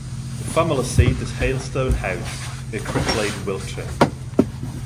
The family seat is Hailstone House, near Cricklade, Wiltshire.